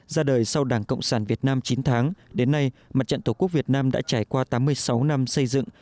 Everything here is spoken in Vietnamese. ra đời sau đảng cộng sản việt nam chín tháng đến nay mặt trận tổ quốc việt nam đã trải qua tám mươi sáu năm xây dựng